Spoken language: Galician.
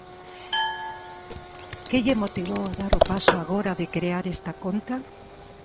Que lle motivou a dar o paso agora de crear esta conta?